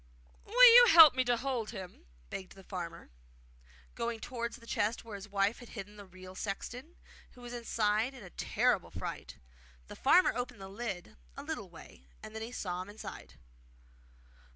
'Will you help me to hold him?' begged the farmer, going towards the chest where his wife had hidden the real sexton, who was sitting inside in a terrible fright. The farmer opened the lid a little way, and saw him inside.